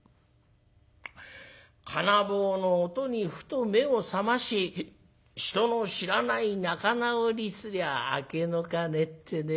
『鉄棒の音にふと目を覚まし人の知らない仲直りすりゃ明けの鐘』ってね。